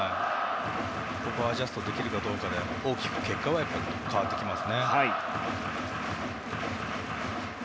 そこをアジャストできるかどうかで大きく結果は変わります。